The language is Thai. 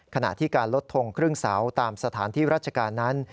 ขณะที่การลดทงครึ่งเสาตามสถานที่ราชการนั้น